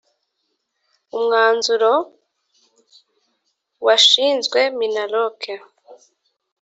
umwanzuro wanshinzwe minaloc